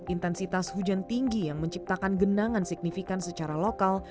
intensitas hujan tinggi yang menciptakan genangan signifikan secara lokal